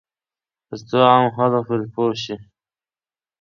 ترڅو عام خلک پرې پوه شي.